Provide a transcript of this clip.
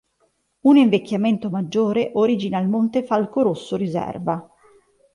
Un invecchiamento maggiore origina il Montefalco rosso riserva.